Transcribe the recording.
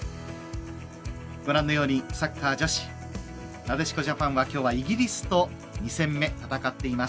ご覧のようにサッカー女子なでしこジャパンは、きょうはイギリスと２戦目戦っています。